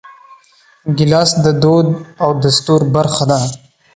ګیلاس د دود او دستور برخه ده.